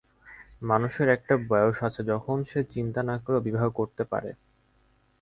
মানুষের একটা বয়স আছে যখন সে চিন্তা না করেও বিবাহ করতে পারে।